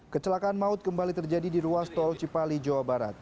kecelakaan maut kembali terjadi di ruas tol cipali jawa barat